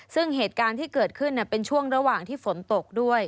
ซึ่งเหตุการณ์ที่เกิดขึ้นเป็นช่วงระหว่างที่ฝนตกด้วย